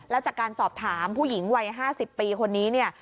แล้วจากการสอบถามผู้หญิงวัย๕๐ปีคนนี้เนี่ย